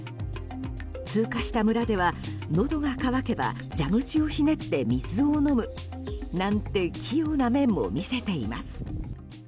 通過した村ではのどが渇けば蛇口をひねって水を飲むという器用な面も見せています。